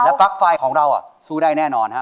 และปลั๊กไฟของเราสู้ได้แน่นอนครับ